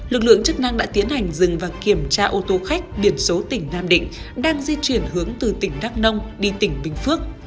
lực lượng chức năng đã tiến hành dừng và kiểm tra ô tô khách biển số tỉnh nam định đang di chuyển hướng từ tỉnh đắk nông đi tỉnh bình phước